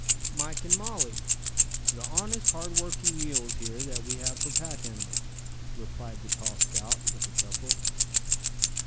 "Mike, and Molly, the honest, hard working mules here that we have for pack animals," replied the tall scout, with a chuckle.